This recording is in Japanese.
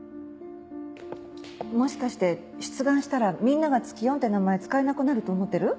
もしかして出願したらみんなが「ツキヨン」って名前使えなくなると思ってる？